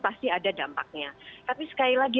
pasti ada dampaknya tapi sekali lagi